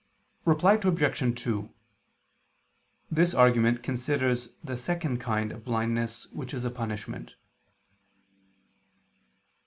Reply Obj. 2: This argument considers the second kind of blindness which is a punishment.